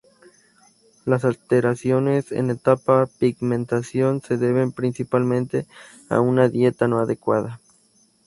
La alteraciones en esta pigmentación se deben principalmente a una dieta no adecuada.